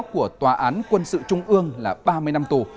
của tòa án quân sự trung ương là ba mươi năm tù